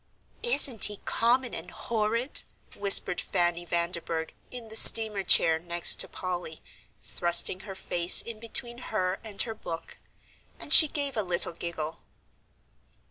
"Isn't he common and horrid?" whispered Fanny Vanderburgh, in the steamer chair next to Polly, thrusting her face in between her and her book. And she gave a little giggle.